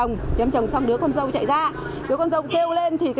mẹ chồng thì bị thịt